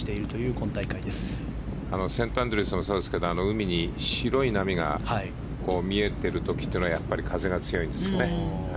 セントアンドリュースもそうですけど海に白い波が見えてる時というのはやっぱり風が強いんですね。